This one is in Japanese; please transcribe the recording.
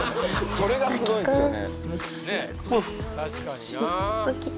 それがすごいっすよね